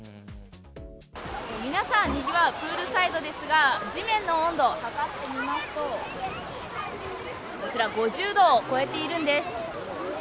皆さん、賑わうプールサイドですが、地面の温度を測ってみますと、こちら、５０度を超えているんです。